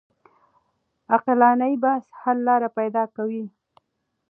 عقلاني بحث حل لاره پيدا کوي.